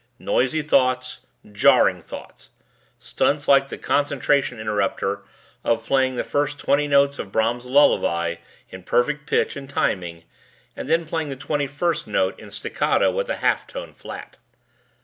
Noisy thoughts, jarring thoughts, stunts like the concentration interrupter of playing the first twenty notes of Brahms' Lullaby in perfect pitch and timing and then playing the twenty first note in staccato and a half tone flat.